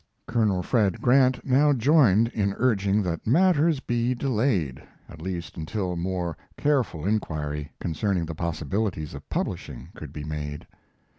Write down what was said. Colonel Fred Grant now joined in urging that matters be delayed, at least until more careful inquiry concerning the possibilities of publishing could be made.